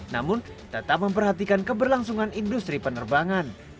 namun tetap memperhatikan keberlangsungan industri penerbangan